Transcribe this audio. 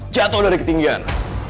jatuh dari ketinggian